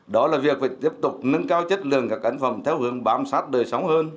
đó là việc phải tiếp tục nâng cao chất lượng các ấn phẩm theo hướng bám sát đời sống hơn